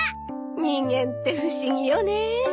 人間って不思議よね。